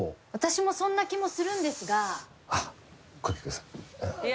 私もそんな気もするんですが。